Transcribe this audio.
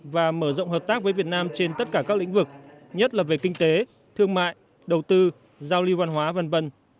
và mở rộng hợp tác với việt nam trên tất cả các lĩnh vực nhất là về kinh tế thương mại đầu tư giao lưu văn hóa v v